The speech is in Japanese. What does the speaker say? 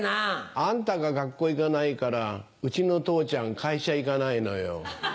あんたが学校行かないからうちの父ちゃん会社行かないのよ。